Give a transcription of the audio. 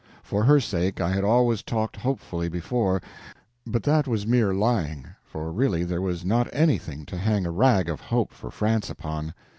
For her sake I had always talked hopefully before, but that was mere lying, for really there was not anything to hang a rag of hope for France upon.